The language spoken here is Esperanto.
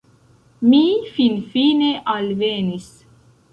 - Mi finfine alvenis